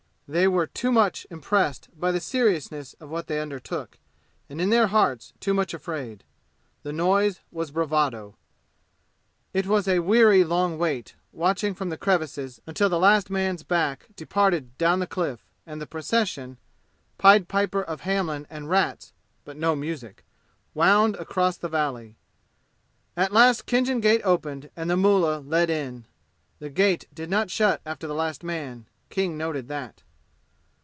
They were too impressed by the seriousness of what they undertook, and in their hearts too much afraid. The noise was bravado. It was a weary long wait, watching from the crevices until the last man's back departed down the cliff, and the procession Pied Piper of Hamelin and rats, (but no music!) wound across the valley. At last Khinjan Gate opened and the mullah led in. The gate did not shut after the last man, King noted that.